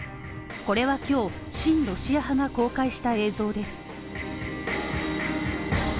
これは今日、親ロシア派が公開した映像です。